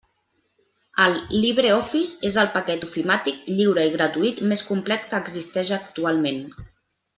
El LibreOffice és el paquet ofimàtic lliure i gratuït més complet que existeix actualment.